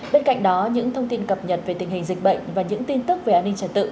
bên cạnh đó những thông tin cập nhật về tình hình dịch bệnh và những tin tức về an ninh trật tự